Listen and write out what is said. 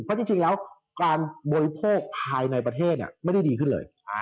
เพราะจริงแล้วการบริโภคภายในประเทศไม่ได้ดีขึ้นเลย